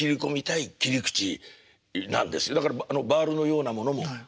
だから「バールのようなもの」もそうです。